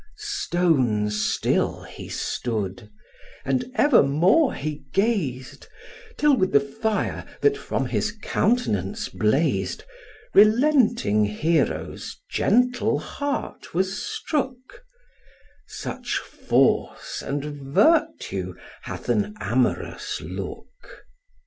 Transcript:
Stone still he stood, and evermore he gaz'd, Till with the fire, that from his countenance blaz'd, Relenting Hero's gentle heart was strook: Such force and virtue hath an amorous look.